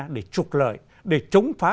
để trục lợi để chống phá